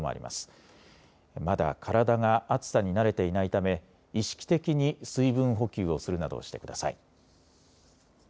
まだ体が暑さになれていないため意識的に水分補給をするなどしてください。